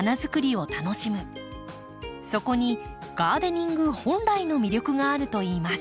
そこにガーデニング本来の魅力があるといいます。